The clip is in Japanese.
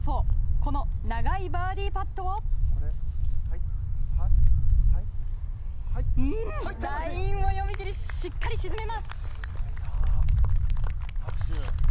この長いバーディーパットをラインを読み切りしっかり沈めます。